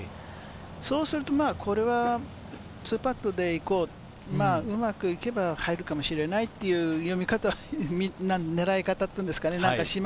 そうするとツーパットでいこう、うまくいけば入るかもしれないという読み方、狙い方って言うんですかね。